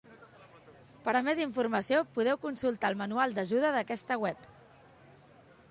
Per a més informació, podeu consultar el manual d'ajuda d'aquesta web.